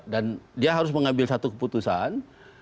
dan dia harus mengambil satu keputusan